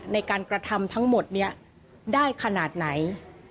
ในการกระทำทั้งหมดนี้ได้ขนาดไหน